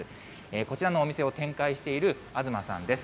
こちらのお店を展開している東さんです。